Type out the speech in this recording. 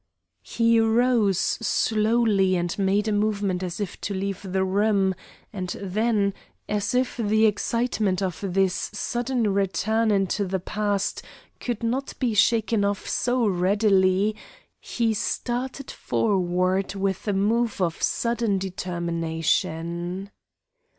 He rose slowly and made a movement as if to leave the room, and then, as if the excitement of this sudden return into the past could not be shaken off so readily, he started forward with a move of sudden determination.